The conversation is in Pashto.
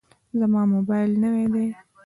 زما موبایل نوی دی.